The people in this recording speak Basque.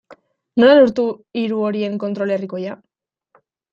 Nola lortu hiru horien kontrol herrikoia?